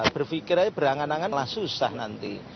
berpikir saja berangan angan telah susah nanti